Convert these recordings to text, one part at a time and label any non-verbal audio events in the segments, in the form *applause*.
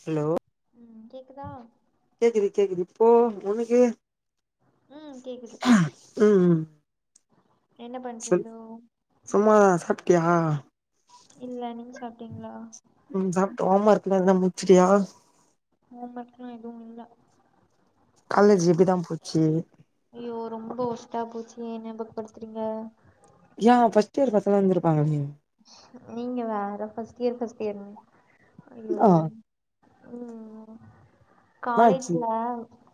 Hello ம் கேக்குதா கேக்குது கேக்குது இப்போ உனக்கு ம் கேக்குது ம் என்ன பண்றீங்கோ சும்மா தா சாப்டியா இல்ல நீங்க சாப்பிட்டீங்களா ம் சாப்ட்டோ ஹோம் ஒர்க்ல்லா ஏதன்னா முச்சுட்டியா ஹோம் வர்க்ல்லா எதுவு இல்ல காலேஜி எப்டிதா போச்சி ஐயோ ரொம்போ ஒஸ்ட்டா போச்சு ஏ ஞாபக்ப்படுத்துறீங்க ஏ ஃபஸ்ட்டு இயர் பசங்க வந்துருப்பாங்கலே நீங்க வேற ஃபஸ்ட் இயரு ஃபஸ்ட் யேருன்னு ஐயோ ஆ ம் என்னாச்சு காலேஜ்ல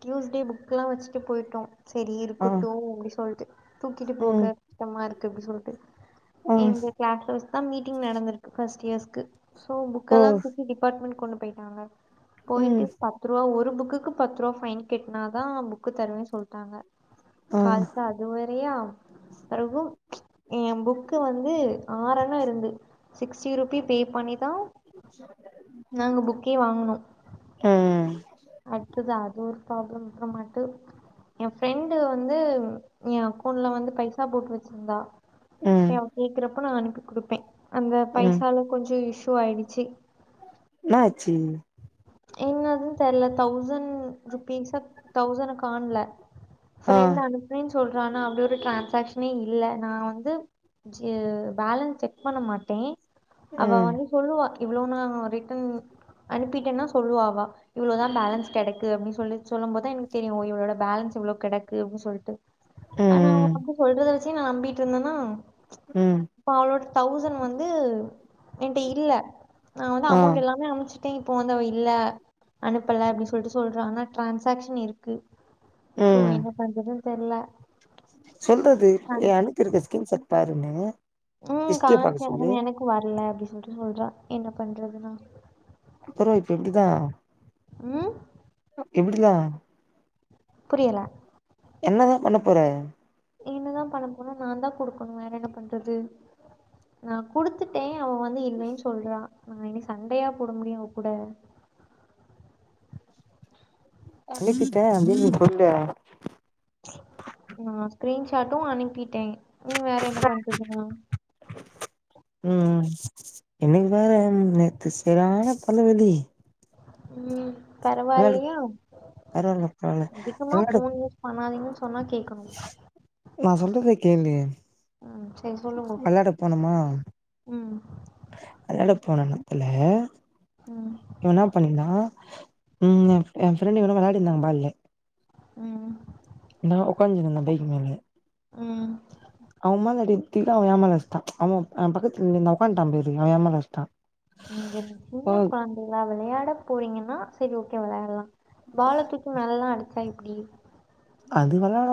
ட்யூஸ்டே புக்கெலா வெச்சுட்டு போய்ட்டோ செரி ஆ இருக்கட்டு அப்டி சொல்ட்டு தூக்கிட்டு போக ம் கஷ்டமா இருக்கு அப்டி சொல்ட்டு ஆ எங்க க்ளாஸ் அவஸ் தா மீட்டிங் நடந்திருக்கு ஃபஸ்ட் இயஸ்க்கு ஸோ ஓ புக்கெல்லா தூ டிபாட்மெண் கொண்டு போயிட்டாங்க ம் போய்ட்டு ப த்துருவா ஒரு புக்குக்கு பத்ருவா ஃபைன் கெட்னாதா புக்கு தருவே சொல்ட்டாங்க ஆ கால்தா அ துவெரையு பெறவு எ புக்கு வந்து ஆறண இருந்து சிக்ஸ்டி ருப்பி பே பண்ணிதா நாங்க புக்கே வாங்குனோ ம் அட்த்ததா அது ஒரு ப்ராப்ளம் இருக்க மாட்டு எ ஃப்ரெண்டு வந்து ம் எ அக்கௌண்ல வந்து பைசா போட்டு வெச்சிருந்தா ம் செ அவ கேக்குறப்ப நா அனுப்பி குடுப்பே அந்த ம் பைசால கொஞ்சு இஷூ ஆய்ரிச்சி இன்னா ஆச்சி என்னதுன் தெர்ல தௌசண் ருபீஸ தௌசண காண்ல ஆ ஃப்ரெண்ட் அனுப்புனேன் சொல்றா ஆனா அப்டி ஒரு டிரான்ராக்ஷனே இல்ல நா வந்து ஜ பேலன்ஸ் செக் பண்ண மாட்டே அவ ம் வந்து சொல்லுவா இவ்ளோ நா ரிட்டன் அனுப்பிட்டென்னா சொல்லுவா அவ இவ்ளோதா பேலன்ஸ் கெடக்கு அப்டி சொல்லி சொல்லம் போத் தா எனக்கு தெரியு ஒ இவளோட பேலன்ஸ் இவ்ளோ கெடக்கு அப்டி சொல்ட்டு ஆனா அவ ம் அப்டி சொல்றத வெச்சு நா நம்பிட்ருந்தனா ம் இப்ப அவளோட தௌசண் வந்து என்ட்ட இல்ல நா வந்து ஆ அமௌண்டு எல்லாமே அனுப்ச் டே இப்போ வந்த அவ இல்ல அனுப்பல அப்டி சொல்ட்டு சொல்றா ஆனா ட்ரான்சாக்ஷன் இருக்கு சோ ம் என்ன பண்றதுன் தெர்ல சொல்றது கண் எ அனுப்பிருக்க ஸ்கீன் சாட் பாருன்னு ம் ஹிஸ்ட்ரிய காம்ச பாக்க ஆனா சொல்லு எனக்கு வர்ல அப்டி சொல்ட்டு சொல்றா என்ன பண்றது நா அப்பறோ இப்ப எப்டிதா ம் எப்பிடிதா புரியல என்னதா பண்ண போற என்னதா பண்ண போற நான் தா குடுக்கணு வேற என்ன பண்றது நா குடுத்துட் டே அவ வந்து இல்லேன் சொல்றா நா இனி சண்டையா போட முடியு அவ் கூட அனுப்பிட்ட அதே நீ சொல்லு நா ஸ்க்ரீன்ஷாட்டு அனுப்பிட்டே இனி வேற என்ன பண்றது நா *inaudible* ம் எனுக் வேற நேத்து செர்யான தலவலி ம் பரவால்லியா பரவால்ல பரவால்ல அதிகமா வெளாட ஃபோன் யூஸ் பண்ணாதீங்கன் சொன்னா கேக்கணு நா சொல்றத கேளு ம் சரி சொல்லுங்கோ வெளாட போனுமா ம் வெளாட போன இடத்துல ம் இவன் பண்ணிந்தா ம் என் ஃப்ரெண்ட்டு இவனு விளையாடி இருந்தாங்க பால்லு ம் நா உக்காந்துருந்த பைக் மேல ம் அவன் மேல அடிக்கீழ அவன் எ மேல அடிச்டா அ பக்கத்துல நின் உக்காந்டா அவன் எ மேல அடிச்டான் நீங்க சின்ன கொழந்தைங்ளா விளையாட போறீங்கன்னா சரி ஓகே விளையாடலாம் பால தூக்கி மேலல்லா அடிச்சா எப்டி அது விளாட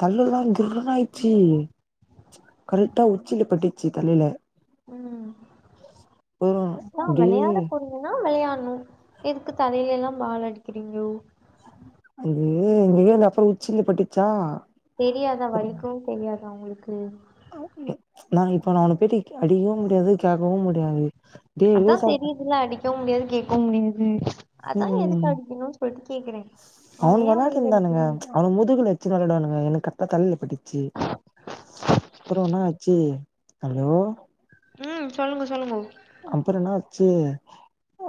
தள்ளுல்லா கிர்ருனு ஆயிச்சு கரெக்டா உச்சில பட்டுச்சு தலையில ம் அப்புறோ அதா அப்டியே விளையாட போனீங் கன்னா விளையாடணு எதுக்கு தலையில எல்லா பால் அடிக்கிறீங்களோ அது இங்கயே அப்புற உச்சில பட்டுச்சா தெரியாதா வலிக்கு தெரியாதா உங்களுக்கு நா இப்ப ந அவன போயிட்டு அடிக்கவு முடியாது கேக்கவு முடியாது டே அதா லூசாடா தெரியுதுல்ல அடிக்கவு முடியாது கேட்கவு முடியாது அதா ம் எதுக்கு அடிக்கணும்னு சொல்லிட்டு கேக்குறே அவங்க ஏன் உங்கள அடிக்கணு அவன் முதுகல வச்சு தா விளையாடுவானுங்க எனக்கு கரெக்ட்டா தல்லைல பட்டுச்சு அப்புறோ என்னாச்சு அலோ ம் சொல்லுங்க சொல்லுங்க அப்புற என்னாச்சு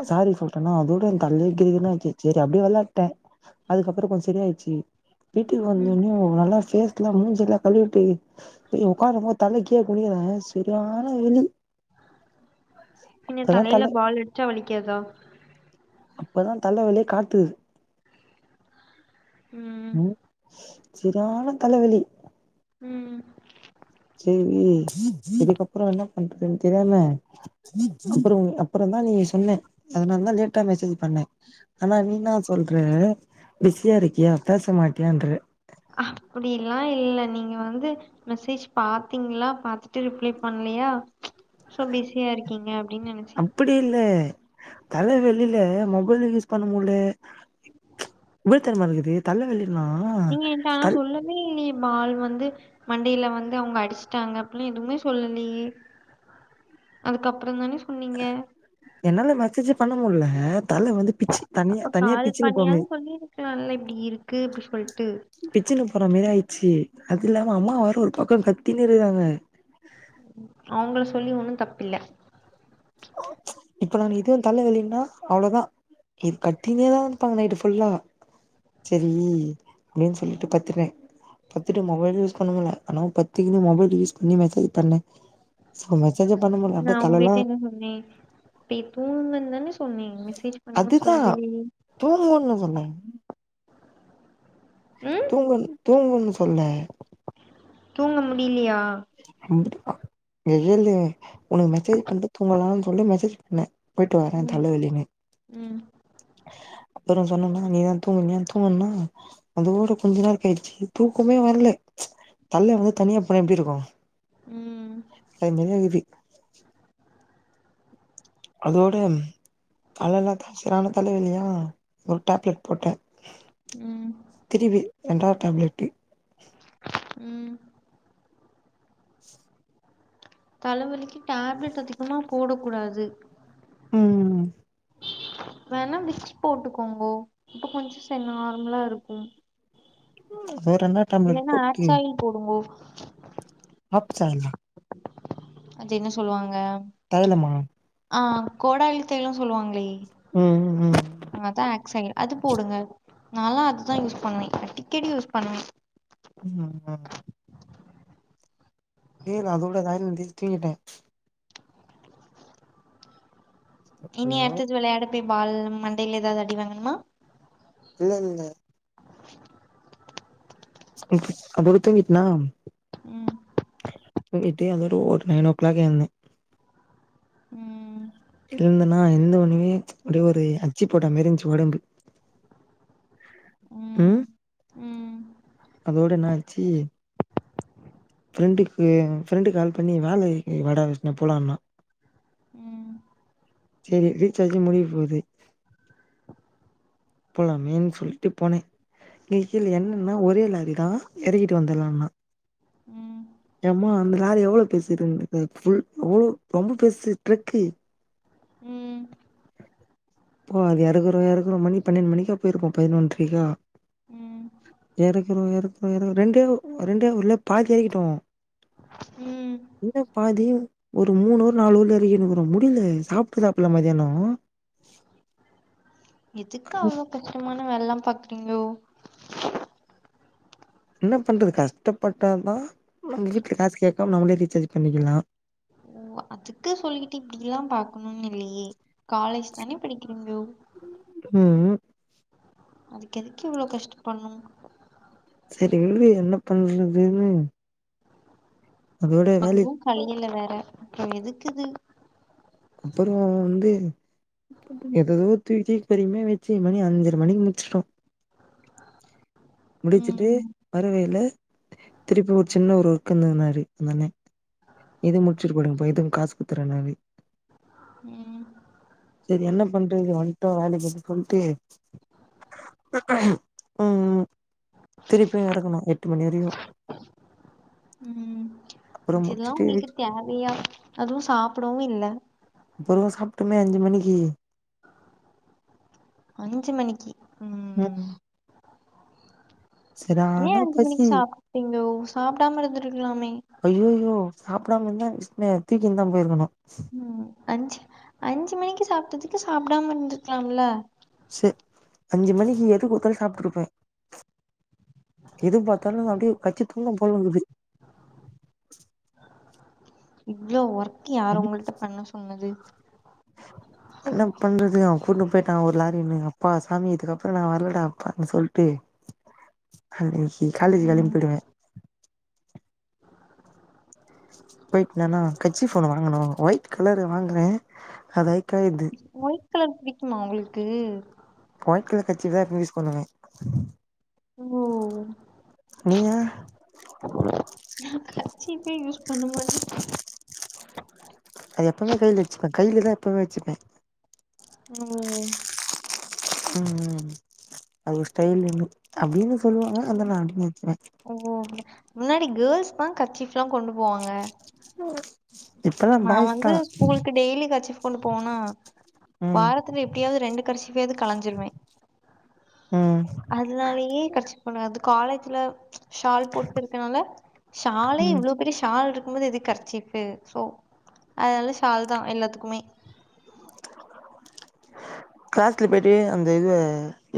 சாரி சொல்டனா அதோட என் தல்லே கிருகிருன்னு ஆகிச்சி சரி அப்டியே விளாட்டே அதுக்கப்பறோ கொஞ்சோ சரி ஆயிச்சு வீட்டுக்கு ம் வந்தோன்னே நல்லா பேஸ்லாம் மூஞ்செல்ல கழுவிட்டு போய் உட்காரம்போ தல அப்டியே குனிற சரியான இழு பின்ன தல தலையில பால் அடிச்சா வலிக்காதா அப்பதா தலவலியே காத்துது ம் செரியான தலவலி ம் சேரி இதுக்கப்புற என்ன பண்றதுன்னு தெரியாம அப்புறோ அப்புறோ தா நீ சொன்ன அதனால தா லேட்டா மெசேஜ் பண்ண ஆனா நீ நா சொல்ற பிஸியா இருக்கியா பேச மாட்டியான்ற அப்படிலா இல்ல நீங்க வந்து மெசேஜ் பாத்தீங்ளா பாத்துட்டு ரிப்ளே பண்லையா சோ பிஸியா இருக்கீங்க அப்டின் நெனச்சே அப்படி இல்ல தல வலில மொபைல் யூஸ் பண்ண முலே வில் தரமாரி இருக்குது தல வலிமா நீங்க என்ட ஆனா சொல்லவே இல்லையே பால் வந்து மண்டையில வந்து அவங்க அடிச்டாங்க அப்படி எதுமே சொல்லலையே அதுக்கப்புற தானே சொன்னீங்க என்னால மெசேஜ் பண்ண முல்ல தல வந்து பிச்சு தனியா அப்ப தனியா கால் பிச்சுன்னு போமே பண்ணியாது சொல்லிருக்கலால இப்டி இருக்கு அப்டி சொல்டு பிச்சுனு போற மாரி ஆயிச்சு அது இல்லாம அம்மா வார ஒரு பக்கோ கத்தின்னு இருகாங்க அவுங்கள சொல்லி ஒன்னு தப்பில்ல இப்ப நான் இதுவு தல வலின்னா அவ்ளோவுதா இது கத்தினேதா இருப்பாங்க நைட்டு ஃபுல்லா செரி அப்டினு சொல்லிட்டு பத்துருவே பத்துட்டு மொபைல் யூஸ் பண்ண முட்ல ஆனா பத்துக்கின்னு மொபைல் யூஸ் பண்ணி மெசேஜ் பண்ண சோ மெசேஜே முல்ல நா அப்டியே தலலா உங்கட்ட என்ன சொன் னே நீ தூங்குன்னு தானே சொன்னே மெசேஜ் பண்ணு அதுதா சொல்லி தூங்குன்னு சொன்னே தூங்கணு தூங்குன்னு சொல்ல தூங்க முடியலையா வந்துருப்பா மேகேளு ஒனக்கு மெசேஜ் பண்ட்டு தூங்கலானு சொல்லிட மெசேஜ் பண்ணே போயிட்டு வர ம் தலவலினு ம் அப்புற சொன்னோம்னா நீ தா தூங்குனியா தூங்குன்னா அந்த ஊரு கொஞ்ச நேர கழிச்சு தூக்கமே வர்ல தல்ல வந்து தனியா போனா எப்டி இருக்கு ம் அது மேரியே இக்குது அதோடு தல எல்லா தா செரியான தலைவலியா ஒரு டேப்லெட் போட்ட ம் திருப்பி ரெண்டாவது டேப்லெட்டு ம் தலவலிக்கி டேப்லெட் அதிகமா போடக் கூடாது ம் வேணா விக்ஸ் போட்டுக்கோங்கோ இப்ப கொஞ்ச ச நார்மலா இருக்கு வேற என்ன இல்லன்னா ஆக்ட்ஸாயில் போடுங்கோ ஆப்ஸாயிலா அது என்ன சொல்லுவாங்க தைலமா ஆ கோடாலித் தைலம் சொல்லுவாங்களே ம் ம் அதா ஆக்ஸாயில் அது போடுங்க நால்லா அதுதா யூஸ் பண்ணுவே அடிக்கடி யூஸ் பண்ணுவே பக்க ம் கேளு அதோட ராயல் வண்டி தூக்கிட்டே இனி ஹலோ அடுத்தது வெளையாட போய் பால் மண்டையில ஏதது அடி வாங்கனுமா இல்ல இல்ல *inaudible* ம் அதோட துங்கிட்டனா ம் *unintelligible* டேய் அதோட ஒரு நைன் ஓ கிளாக் எழுந்த ம் எழுந்தனா எழுந்த ஒன்னுமே அப்டியே ஒரு அச்சி போட்டா மாரி இருஞ்சு ஒடம்பு ம் ம் அதோட என்ன ஆச்சு ஃப்ரெண்டுக்கு ஃப்ரெண்டு கால் பண்ணி வேல இருக்கு வாடா விஷ்னு போலாண்ணா ம் சரி ரீசார்ஜு முடிய போகுது போலாமேனு சொல்லிட்டு போனே இங்க கீழே ஓ என்னன்னா ஒரே லாரி தா இறக்கிட்டு வந்துடலாம்னா உ ஏமா அந்த ஆளு எவ்ளோ பேசிறுந்த இருந்தது புஃல் அவ்வளோ ரொம்ப பேறுசு ட்ரக்கு உ போ அது இறக்குறோ இறக்குறோ மணி பன்னெண்டு மணிக்லா போயிருக்கோ பதினொன்றைக்லா உ இறக்குறோ இறக்குறோ ரெண்டே ரெண்டே ஒருரல பாதி ஏறிக்கிட்டோ ம் என்ன பாதி ஒரு மூணு ஊரு நாலூ ஊரு எறக்கினுக்குறோ முடியல சாப்பிட்டு சாப்பிடல மத்தியானோ உ எதுக்கு அவ்ளோ கஷ்டமான வேலைலாம் பாக்குறீங்கோ என்ன பண்றது கஷ்டப்பட்டால் தா நம்ம வீட்டல காசு *unintelligible* நம்மளே ரீசார்ஜ் பண்ணிக்கலாம் ஓ அதுக்கு சொல்லிட்டு இப்டில்லா பாக்கணும்னு இல்லையே காலேஜ் தானே படிக்கிறீங்கோ உ அதுக்கு எதுக்கு இவ்வளோ கஷ்ட பண்ணு சரி விடு என்ன பண்றதுன்னு அதோட வேலைக் அதுவும் கல்லுல வேற இப்ப எதுக்குது அப்புறோ வந்து ஏதுஎதோ துக்கி பொறுமையா வச்சு மணி அஞ்சரை மணிக்கு முடிச்சுட்டோ முடிச்சுட்டு ம் வரவைல திருப்பி ஒரு சின்ன ஒரு வோர்க்கந்த மாறி இது முடிச்சட்டு போயிடு இதுக்கு காசு குடுத்துறனா உ சரி என்ன பண்றது வட்டோ வேலைக்கு சொல்ட்டு உ திருப்பியு எரக்கணு முனிறியோ உ அப்புறோ இதெல்லா முடிச்சுட்டு உங்களுக்கு வீட் தேவையா அதும் சாப்பபடவு இல்லை அப்றோ சாப்பிட்டுமே அஞ்சு மணிக்கு அஞ்சி மணிக்கு ம் உ ஏன் செரியான அஞ்சு மணிக்கு பசி சாப்பிட்டீங்கோ சாப்டாம இருந்துடுக்கலாமே அய்யயோ சாப்டாம இருந்தா விஷ்னுவ தூக்கின்னு தா போய்ருகணு ம் அஞ்சு அஞ்சு மணிக்கு சாப்டதுக்கு சாப்டாம இருந்துகலால செ அஞ்சு மணிக்கு எது குத்தாலு சாப்ட்டுருப்பே எது பாத்தாலு அப்டியே கச்சு துன்னு போலருக்குது இவ்வளோ ஒர்க் யார் உங்கள்ட்ட பண்ண சொன்னது என்ன பண்றது அவன் கூட்டுனு போயிட்டா ஒரு லாரின்னு அப்பா சாமி இதுக்கப்புறோ நா வரலடா அப்பான்னு சொல்லிட்டு அ காலச்சு ம் கெலம்பி போய்டுவே ஒயிட் தனா கட்சி போன்னு வாங்கனு ஒயிட் கலரு வாங்குனே அது ஐக்காது ஒயிட் கலர் புடிக்குமா உங்களுக்கு ஒட்ட கலர் கட்சிப்தா இப்ப யூஸ் பண்ணுவே ஓ நீயா நா கர்சிப்பே யூஸ் பண்ண மாட்டே அது எப்பமே கைல வச்சுபே கைலதா எப்பமே வச்சுப்பே ம் ம் அது ஒரு ஸ்டைல்னு அப்டின்னு சொல்லுவாங்க அத நா நெனைக்கிறே ஓ ஓகே முன்னாடி கேர்ள்ஸ் தா கர்ச்சிஃப்ல்லா கொண்டு போவாங்க *unintelligible* இப்பல்லா நா பாய்ஸ் வந்து தா ஸ்கூலுக்கு டெய்லி கர்ச்சிஃப் கொண்டு போவேனா ம் வாரத்துல எப்டியாவது ரெண்டு கர்ச்சிஃப்யாவது கலஞ்சிருவே ம் அதனாலயே கர்ச்சிஃப் கொண்டு வராது காலேஜ்ல ஷால் போட்ருக்கனால ஷாலே ம் இவ்ளோ பெரிய ஷால்ரு க்கு போது எதுக்கு கர்ச்சிஃப்பு சோ அதனால ஷால் தா எல்லாத்துக்குமே க்ளாஸ்ல போய்ட்டு அந்த இது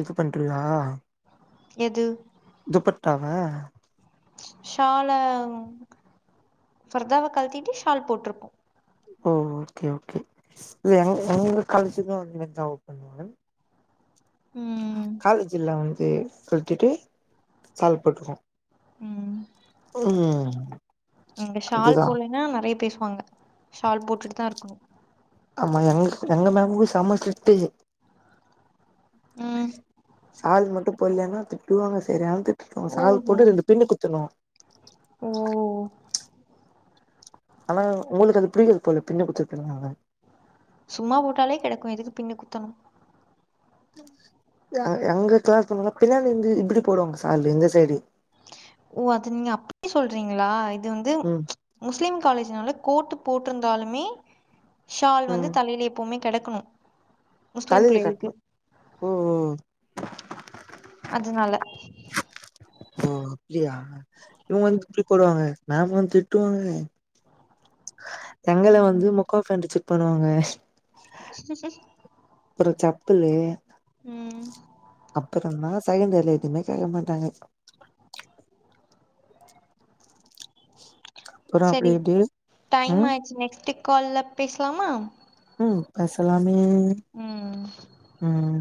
இது பண்றியா எது துப்பட்டாவ ஷால்லா ஃபர்தாவ கழட்டிட்டு ஷால் போட்ருப்போ ஓ ஓகே ஓகே இல்ல எங் எங்க காலேஜ்க்கு அது மாரி தா *inaudible* ம் காலேஜ்ல வந்து கழட்டிட்டு சால் போட்டுக்குவோ ம் இங்க ஷால் அதுதா போல்லேன்னா நறைய பேசுவாங்க ஷால் போட்டுட்டு தா இருக்கணு ஆமா எங்க எங்க மேம்மு செம்ம ஸ்ட்ரிக்ட் ம் சால் மட்டு போட்லேன்னா திட்டுவாங்க செரியான திட் ஓ ஹோ ஓ ஆனா உங்களுக்கு அது புடிக்காது போல பின்னு குத்துறதுனால சும்மா போட்டாலே கெடக்கு எதுக்கு பின்னு குத்தணு எங்க க்ளாஸ் பொண்ணுங்க பின்னாடி வந்து இப்டி போடுவாங்க சால்லு இந்த சைடு ஓ அது நீங்க அப்டி சொல்றீங்களா இது வந்து ம் முஸ்லீம் காலேஜ்னால கோட்டு போட்ருந்தாலுமே ஷால் வந்து ம் தலையிலே எப்போமே கெடக்கணு தலையில கட்ணு ஓ ஓ அதுனால ஓ அப்டியா இவுங்க வந்து இப்டி போடுவாங்க மேம் வந்து திட்டுவாங்க எங்கள வந்து ம். முக்கா பேண்டு ஜெக் பண்ணுவாங்க ச ச *unintelligible* அப்பறோ செப்பலு ம் அப்பறோ தா செகேண்டியர்ல எதுவுமே கேட்க மாட்டாங்க அப்புறோ செரி அப்டி இப்டி ம் டைமாயிடுச்சு நெக்ஸ்ட்டு கால்ல பேசலாமா ம் பேசலாமே ம். ம்